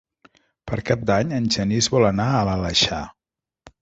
Per Cap d'Any en Genís vol anar a l'Aleixar.